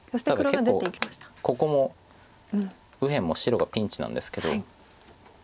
結構ここも右辺も白がピンチなんですけど。